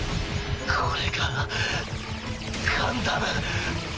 これがガンダム。